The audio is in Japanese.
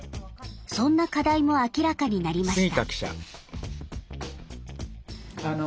そんな課題も明らかになりました。